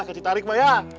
kasih tarik mbak ya